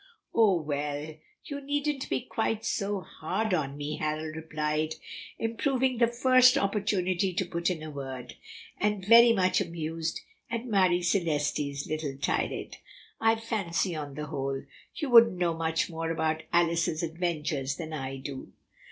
"Oh, well, you needn't be quite so hard on me," Harold replied, improving the first opportunity to put in a word, and very much amused at Marie Celeste's little tirade. "I fancy, on the whole, you don't know much more about 'Alice's' adventures than I do."